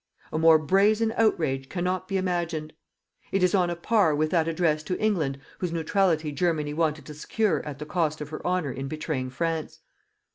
A more brazen outrage cannot be imagined. It is on a par with that addressed to England whose neutrality Germany wanted to secure at the cost of her honour in betraying France.